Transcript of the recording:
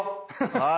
はい。